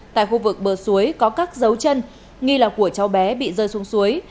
tại khu vực bờ suối có các dấu chân nghi là của cháu bé bị rơi xuống suối